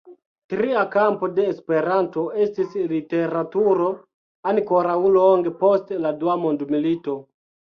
Tria kampo de "Esperanto" estis literaturo, ankoraŭ longe post la dua mondmilito.